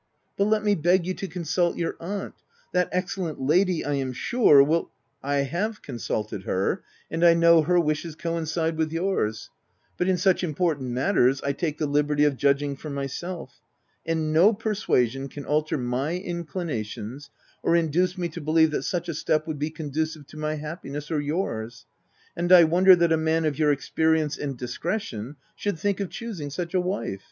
" But let me beg you to consult your aunt; that excellent lady, I am sure, will —"" I have consulted her ; and I know her wishes coincide with yours ; but in such im portant matters, I take the liberty of judging for myself; and no persuasion can alter my in clinations, or induce me to believe that such a step would be conducive to my happiness, or yours — and I w 7 onder that a man of your ex perience and discretion should think of choosing such a wife."